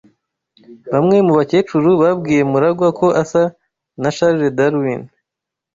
Bamwe mu bakecuru babwiye MuragwA ko asa na Charles Darwin.